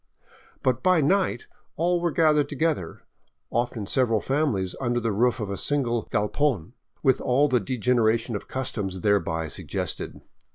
But by night all were gathered together, often several families under the roof of a single galpon, with all the degeneration of customs thereby sug gested.